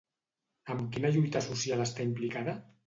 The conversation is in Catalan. Amb quina lluita social està implicada?